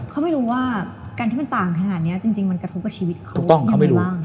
เขาไม่รู้ว่าการที่มันต่างขนาดนี้จริงมันกระทบกับชีวิตเขายังไงบ้าง